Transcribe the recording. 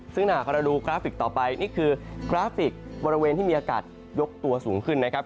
ซึ่งถ้าหากเราดูกราฟิกต่อไปนี่คือกราฟิกบริเวณที่มีอากาศยกตัวสูงขึ้นนะครับ